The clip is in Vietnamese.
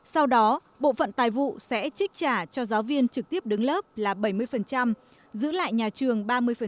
sau đó bộ phận tài vụ sẽ trích trả cho giáo viên trực tiếp đứng lớp là bảy mươi giữ lại nhà trường ba mươi